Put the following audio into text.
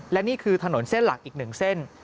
และนี่คือถนนเส้นหลักอีก๑เส้น